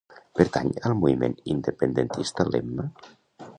Pertany al moviment independentista l'Emma?